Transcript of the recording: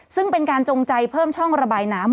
ซึ่งเป็นการจงใจเพิ่มช่องระบายน้ำ